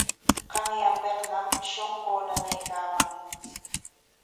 Qanyanpikñam shunquu nanaykaaman.